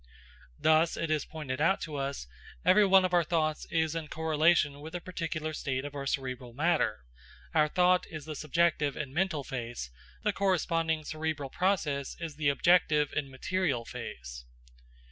Thus, it is pointed out to us, every one of our thoughts is in correlation with a particular state of our cerebral matter; our thought is the subjective and mental face; the corresponding cerebral process is the objective and material face.